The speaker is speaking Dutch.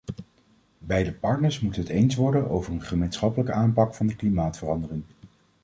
Beide partners moeten het eens worden over een gemeenschappelijke aanpak van de klimaatverandering.